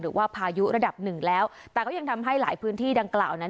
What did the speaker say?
พายุระดับหนึ่งแล้วแต่ก็ยังทำให้หลายพื้นที่ดังกล่าวนั้น